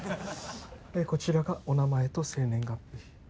こちらがお名前と生年月日。